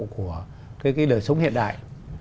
của cái đời sống hiện đại